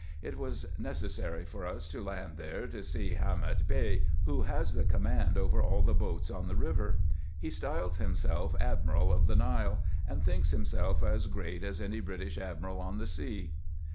It was necessary for us to land there, to see Hamet Bey. who has the command over all the boats on the river. He styles himself admiral of the Nile, and thinks himself as great as any British admiral on the sea.